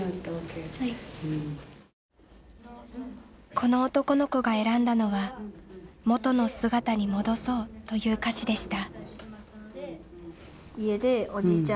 この男の子が選んだのは「もとの姿にもどそう」という歌詞でした。